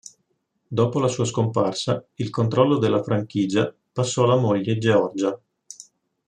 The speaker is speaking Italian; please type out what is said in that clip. Dopo la sua scomparsa, il controllo della franchigia passò alla moglie Georgia.